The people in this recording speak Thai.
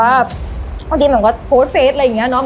อาจจะมันก็โพสเฟสอะไรอย่างนี้